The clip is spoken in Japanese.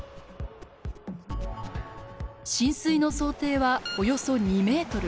浸水の想定はおよそ２メートル。